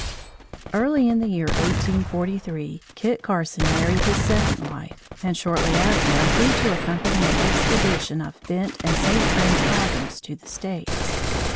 Early in the year 1843, Kit Carson married his second wife and shortly after agreed to accompany an expedition of Bent & St. Vrain's wagons to the States.